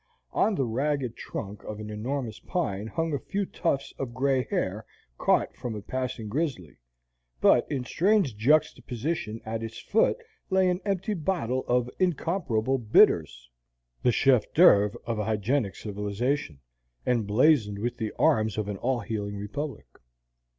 On the ragged trunk of an enormous pine hung a few tufts of gray hair caught from a passing grizzly, but in strange juxtaposition at its foot lay an empty bottle of incomparable bitters, the chef d'oeuvre of a hygienic civilization, and blazoned with the arms of an all healing republic.